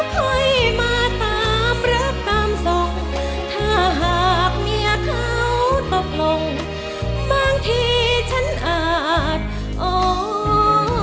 แล้วคอยมาตามเริ่มตามซ้อมถ้าหากเมียเขาตกลงบางทีฉันอาจโอเค